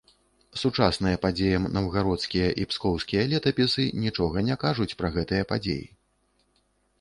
Сучасныя падзеям наўгародскія і пскоўскія летапісы нічога не кажуць пра гэтыя падзеі.